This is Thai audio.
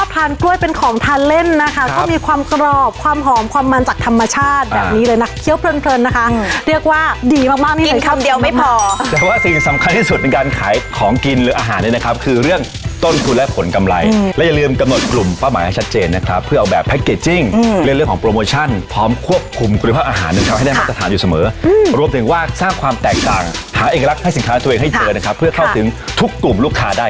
ถ้าทำมีความสุขก็ดูอยู่กับเขาเป็นเหมือนลูกคนที่สี่